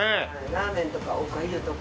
ラーメンとかおかゆとか。